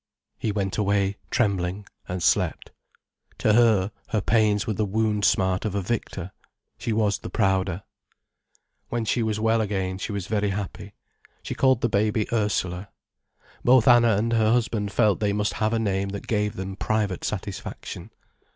He went away, trembling, and slept. To her, her pains were the wound smart of a victor, she was the prouder. When she was well again she was very happy. She called the baby Ursula. Both Anna and her husband felt they must have a name that gave them private satisfaction.